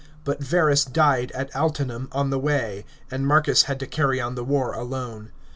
but Verus died at Altinum on the way, and Marcus had to carry on the war alone.